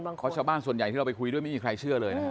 เพราะชาวบ้านส่วนใหญ่ที่เราไปคุยด้วยไม่มีใครเชื่อเลยนะฮะ